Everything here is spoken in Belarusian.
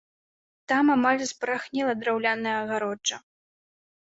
Там амаль спарахнела драўляная агароджа.